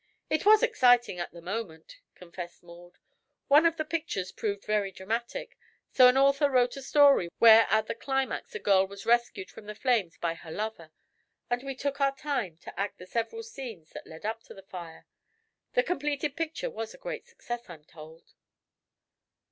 "It was exciting, at the moment," confessed Maud. "One of the pictures proved very dramatic, so an author wrote a story where at the climax a girl was rescued from the flames by her lover, and we took our time to act the several scenes that led up to the fire. The completed picture was a great success, I'm told."